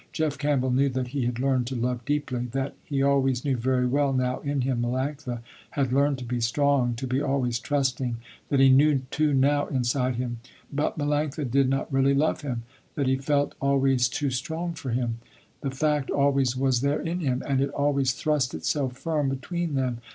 Jeff Campbell knew that he had learned to love deeply, that, he always knew very well now in him, Melanctha had learned to be strong to be always trusting, that he knew too now inside him, but Melanctha did not really love him, that he felt always too strong for him. That fact always was there in him, and it always thrust itself firm, between them.